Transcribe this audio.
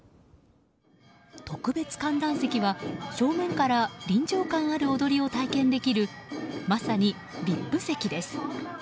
特別観覧席は正面から、臨場感ある踊りを体験できるまさにＶＩＰ席です。